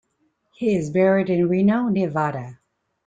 He is buried in Reno, Nevada.